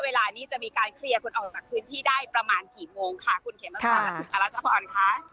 เวลานี้จะมีการเคลียร์คุณออกจากพื้นที่ได้ประมาณกี่โมงค่ะคุณเขมร์ฟัน